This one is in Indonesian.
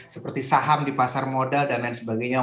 seperti saham di pasar modal dan lain sebagainya